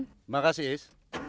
terima kasih is